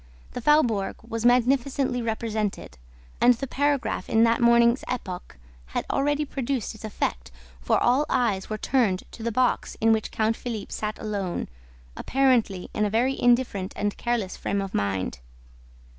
The Faubourg was magnificently represented; and the paragraph in that morning's EPOQUE had already produced its effect, for all eyes were turned to the box in which Count Philippe sat alone, apparently in a very indifferent and careless frame of mind.